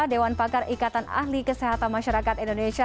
dewan pakar ikatan ahli kesehatan masyarakat indonesia